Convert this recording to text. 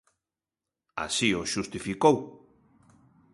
Así o xustificou.